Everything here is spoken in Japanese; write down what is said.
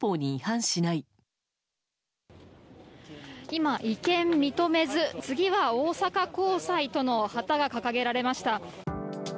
今、違憲認めず次は大阪高裁！との旗が掲げられました。